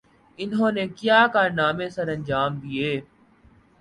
انہوں نے کیا کارنامے سرانجام دئیے؟